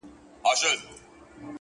• غټي سترگي شينكى خال د چا د ياد،